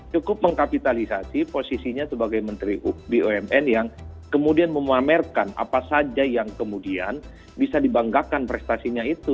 cukup mengkapitalisasi posisinya sebagai menteri bumn yang kemudian memamerkan apa saja yang kemudian bisa dibanggakan prestasinya itu